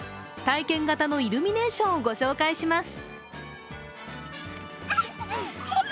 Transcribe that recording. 体験型のイルミネーションをご紹介します。